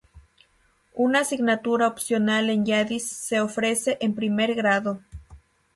Una asignatura opcional en yidis se ofrece en primer grado.